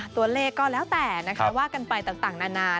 ตัวเลขก็แล้วแต่นะคะว่ากันไปต่างนานา